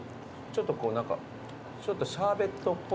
ちょっとシャーベットっぽい硬さも。